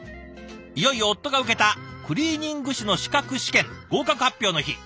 いよいよ夫が受けたクリーニング師の資格試験合格発表の日。